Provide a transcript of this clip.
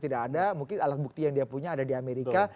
tidak ada mungkin alat bukti yang dia punya ada di amerika